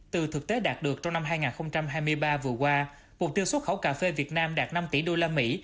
từ thực tế đạt được trong năm hai nghìn hai mươi ba vừa qua mục tiêu xuất khẩu cà phê việt nam đạt năm tỷ đô la mỹ